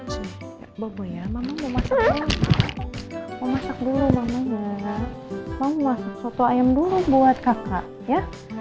sampai jumpa di video selanjutnya